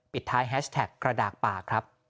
ปิดท้ายแฮชแท็กกระดากป่าครับ